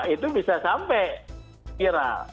itu bisa sampai viral